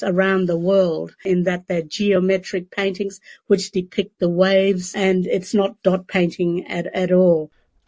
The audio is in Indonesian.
karena mereka adalah pencipta geometris yang menggambarkan bintang dan itu bukan pencipta dot sama sekali